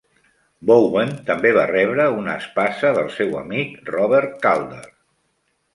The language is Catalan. Bowen també va rebre una espasa del seu amic Robert Calder.